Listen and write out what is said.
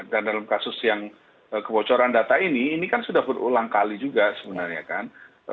dan dalam kasus yang kebocoran data ini ini kan sudah berulang kali juga sebenarnya kan